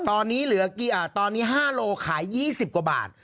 ตอนนี้๕กิโลขาย๒๐กว่าบาท